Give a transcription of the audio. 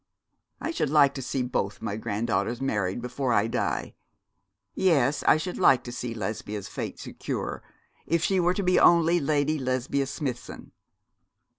I should like to see both my granddaughters married before I die yes, I should like to see Lesbia's fate secure, if she were to be only Lady Lesbia Smithson.'